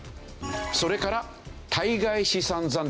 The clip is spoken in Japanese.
それから対外資産残高。